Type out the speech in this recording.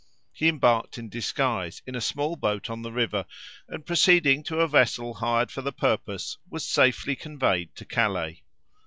He embarked in disguise, in a small boat on the river, and proceeding to a vessel hired for the purpose, was safely conveyed to Calais.